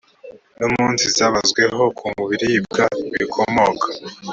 n umunsi zabazweho ku biribwa bikomoka